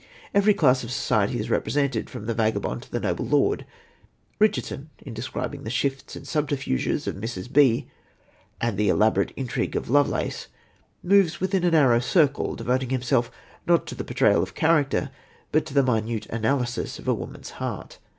Every class of society is represented, from the vagabond to the noble lord. Richardson, in describing the shifts and subterfuges of Mr. B and the elaborate intrigue of Lovelace, moves within a narrow circle, devoting himself, not to the portrayal of character, but to the minute analysis of a woman's heart.